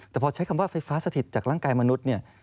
แต่พอใช้คำว่าไฟฟ้าสถิตจากร่างกายมนุษย์เนี่ย